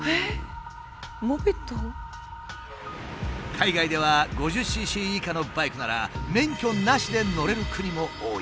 海外では５０ｃｃ以下のバイクなら免許なしで乗れる国も多い。